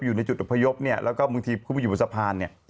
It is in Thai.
อยู่ในจุดอพยพเนี่ยแล้วก็บางทีคุณไปอยู่บนสะพานเนี่ย